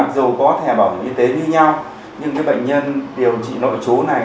dù có thẻ bảo hiểm y tế như nhau nhưng bệnh nhân điều trị nội chú này